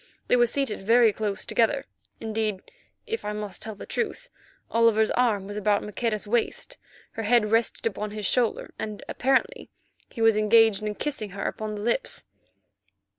They were seated very close together; indeed, if I must tell the truth, Oliver's arm was about Maqueda's waist, her head rested upon his shoulder, and apparently he was engaged in kissing her upon the lips.